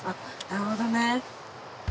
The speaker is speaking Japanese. なるほどね。